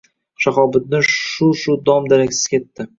Shahobiddin shu-shu dom-daraksiz ketdi.